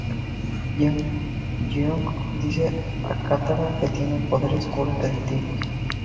Jeong Jeong dice a Katara que tiene poderes curativos.